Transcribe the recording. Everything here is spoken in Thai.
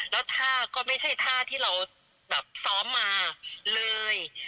แล้วท่าก็ไม่ใช่ท่าที่เราแบบซ้อมมาเลย